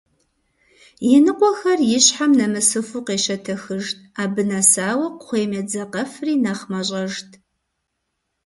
Иныкъуэхэр ищхьэм нэмысыфу къещэтэхыжт, абы нэсауэ кхъуейм едзакъэфри нэхъ мащӀэжт.